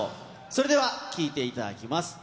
それでは聴いていただきます。